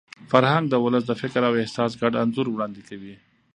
فرهنګ د ولس د فکر او احساس ګډ انځور وړاندې کوي.